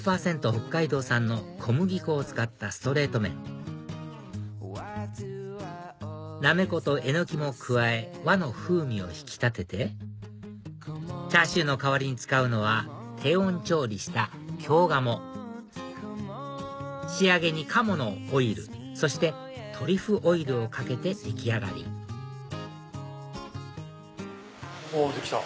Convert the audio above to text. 北海道産の小麦粉を使ったストレート麺ナメコとエノキも加え和の風味を引き立ててチャーシューの代わりに使うのは低温調理した京鴨仕上げに鴨のオイルそしてトリュフオイルをかけて出来上がりできた。